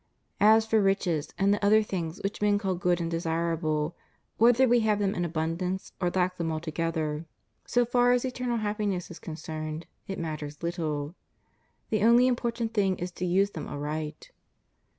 As for riches and the other things which men call good and desirable, whether we have them in abundance, or lack them altogether — so far as eternal ' St. James v. 4. CONDITION OF THE WORKING CLASSES. 221 happiness is concerned — it matters little; the only impor tant thing is to use them aright.